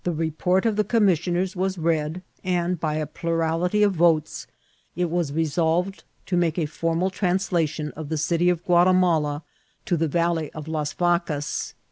report of the commissionenr was read, and, by a plu rality of votes, it was resolved to make a formal trans lation of the city of Gnatimala to the Valley of Las Vacas.